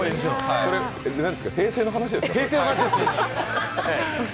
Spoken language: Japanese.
それ平成の話ですか？